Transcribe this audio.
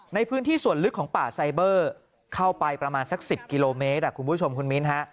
ในพื้นที่ส่วนลึกของป่าไซเบอร์เข้าไปประมาณสัก๑๐กิโลเมตรคุณผู้ชมคุณมิ้นฮะ